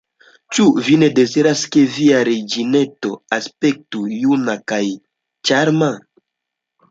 Ĉu Vi ne deziras, ke Via reĝineto aspektu juna kaj ĉarma?